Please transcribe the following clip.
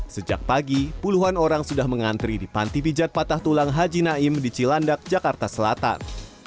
sejak pagi puluhan orang sudah mengantri di panti pijat patah tulang haji naim di cilandak jakarta selatan